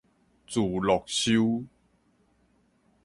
自樂岫